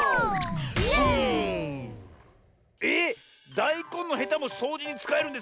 「イェーイ！」えっだいこんのヘタもそうじにつかえるんですか？